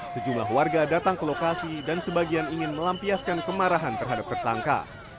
sejumlah warga datang ke lokasi dan sebagian ingin melampiaskan kemarahan terhadap tersangka